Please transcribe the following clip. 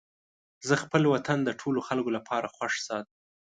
زه خپل وطن د ټولو خلکو لپاره خوښ ساتم.